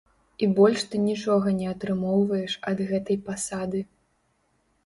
І больш ты нічога не атрымоўваеш ад гэтай пасады.